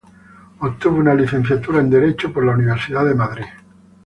Obtuvo una Licenciatura en Derecho en la Universidad de Madrid.